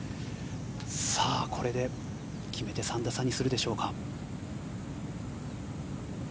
さあ、これで決めて３打差にするでしょうか。